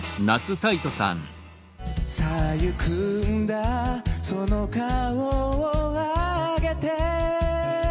「さあ行くんだその顔をあげて」